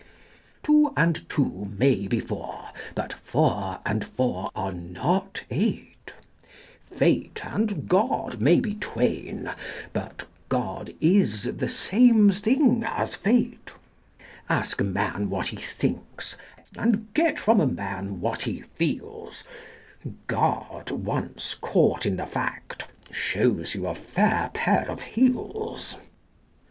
Two and two may be four: but four and four are not eight: Fate and God may be twain: but God is the same thing as fate. Ask a man what he thinks, and get from a man what he feels: God, once caught in the fact, shows you a fair pair of heels.